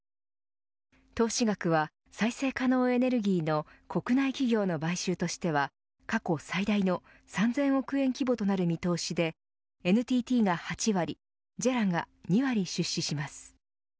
投資額は再生可能エネルギーの国内企業の買収としては過去最大の３０００億円規模となる見通しでＮＴＴが８割ＪＥＲＡが２割出資します。